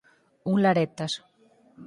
Un laretas.